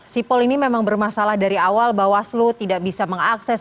sipol ini memang bermasalah dari awal bawaslu tidak bisa mengakses